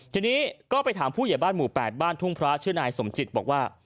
ทีนี้ก็ไปถามผู้ใหญ่บ้านหมู่๘บ้านทุ่งพระชื่อนายสมจิตบอกว่า